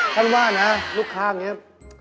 ท่านว่านะลูกค้าอย่างนี้